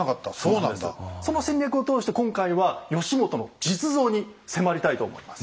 その戦略を通して今回は義元の実像に迫りたいと思います。